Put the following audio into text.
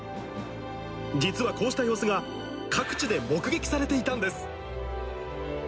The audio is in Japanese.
実はこうした様子が、各地で目撃されていたんです。